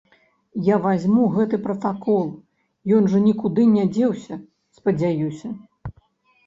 Я вазьму гэты пратакол, ён жа нікуды не дзеўся, спадзяюся.